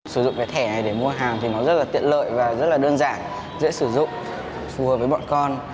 sử dụng cái thẻ này để mua hàng thì nó rất là tiện lợi và rất là đơn giản dễ sử dụng phù hợp với bọn con